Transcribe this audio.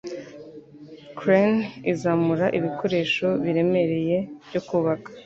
Crane izamura ibikoresho biremereye byo kubaka.